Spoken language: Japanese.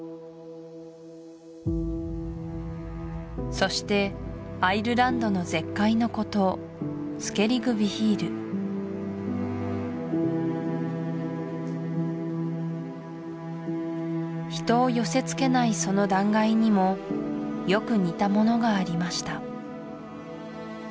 そしてアイルランドの絶海の孤島スケリグ・ヴィヒール人を寄せつけないその断崖にもよく似たものがありました